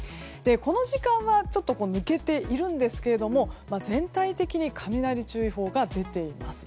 この時間はちょっと抜けているんですけども全体的に雷注意報が出ています。